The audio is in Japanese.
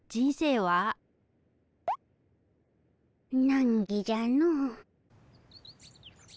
なんぎじゃの。